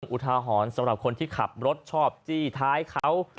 อุทาหรณ์สำหรับคนที่ขับรถชอบจี้ท้ายเขา